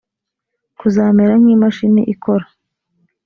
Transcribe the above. kuzamera nk imashini ikora